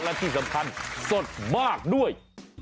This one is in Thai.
และที่สำคัญสดมากด้วย